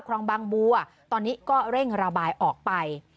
คลองบางบัวตอนนี้ก็เร่งระบายออกไป